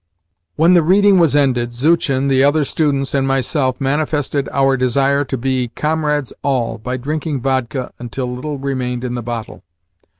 When the reading was ended, Zuchin, the other students, and myself manifested our desire to be "comrades all" by drinking vodka until little remained in the bottle.